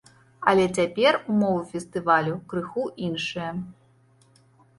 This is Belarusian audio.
Але цяпер умовы фестывалю крыху іншыя.